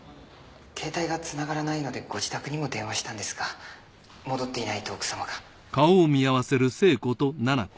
ケータイがつながらないのでご自宅にも電話したんですが戻っていないと奥さまが。